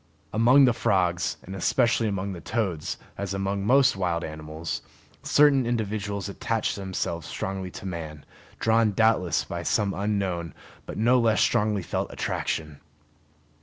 Among the frogs, and especially among the toads, as among most wild animals, certain individuals attach themselves strongly to man, drawn doubtless by some unknown but no less strongly felt attraction.